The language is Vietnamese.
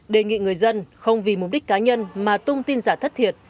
đề nghị người dân không vì mục đích cá nhân mà tung tin giả thất thiệt